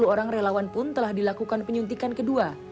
sembilan puluh orang relawan pun telah dilakukan penyuntikan kedua